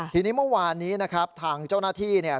ทีนี้เมื่อวานนี้นะครับทางเจ้าหน้าที่เนี่ย